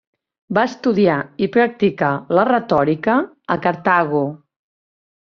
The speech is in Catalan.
Va estudiar i practicar la retòrica a Cartago.